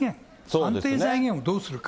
安定財源をどうするか。